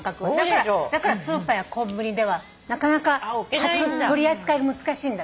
だからスーパーやコンビニではなかなか取り扱いが難しいんだって。